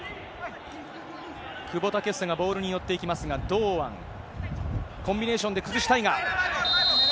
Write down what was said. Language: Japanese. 久保建英がボールに寄っていきますが、堂安、コンビネーションで崩したいが。